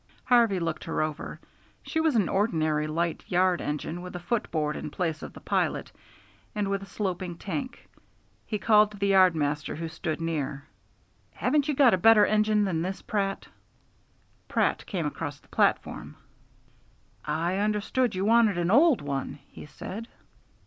Harvey looked her over. She was an ordinary light yard engine with a footboard in place of the pilot and with a sloping tank. He called to the yard master who stood near. "Haven't you got a better engine than this, Pratt?" Pratt came across the platform. "I understood you wanted an old one," he said.